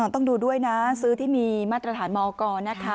ต้องดูด้วยนะซื้อที่มีมาตรฐานมกรนะคะ